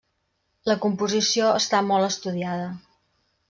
La composició està molt estudiada.